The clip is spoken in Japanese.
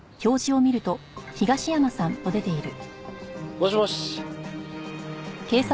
もしもし。